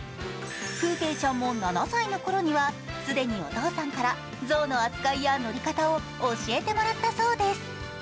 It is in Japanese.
プーペーちゃんも７歳のころには既にお父さんから象の扱いや乗り方を教えてもらったそうです。